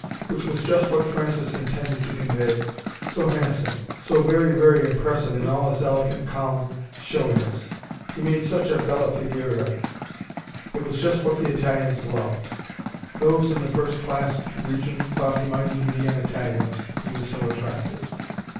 Which was just what Francis intended to convey. So handsome so very, very impressive in all his elegant calm showiness. He made such a bella figura. It was just what the Italians loved. Those in the first class regions thought he might even be an Italian, he was so attractive.